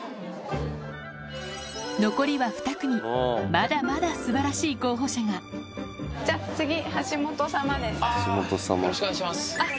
まだまだ素晴らしい候補者があぁよろしくお願いします。